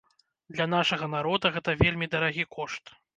Для нашага народа гэта вельмі дарагі кошт.